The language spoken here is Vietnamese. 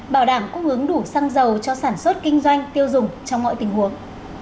bảo đảm cung ứng đủ xăng dầu cho sản xuất kinh doanh tiêu dùng trong mọi tình huống